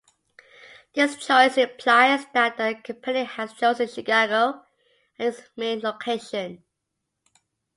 This choice implies that the company has chosen Chicago as its main location.